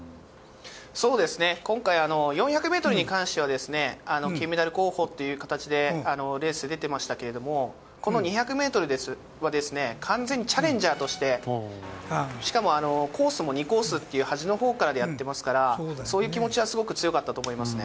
今回、４００メートルに関しては、金メダル候補という形でレース出てましたけれども、この２００メートルは、完全にチャレンジャーとして、しかもコースも２コースっていう端のほうからでやってますから、そういう気持ちはすごく強かったと思いますね。